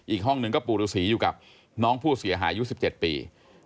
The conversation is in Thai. อีกห้องหนึ่งก็ปู่ฤษีอยู่กับน้องผู้เสียหายอายุ๑๗ปี